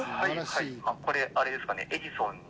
はいこれあれですかね？